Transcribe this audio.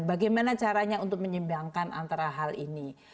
bagaimana caranya untuk menyembangkan antara hal ini